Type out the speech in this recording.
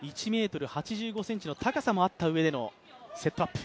１ｍ８５ｃｍの高さもあったうえでのセットアップ。